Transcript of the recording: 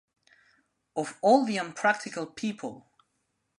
Of all the unpractical people!